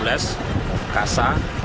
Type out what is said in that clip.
dianggap sebagai pesawat yang terbaik